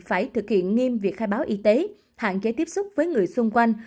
phải thực hiện nghiêm việc khai báo y tế hạn chế tiếp xúc với người xung quanh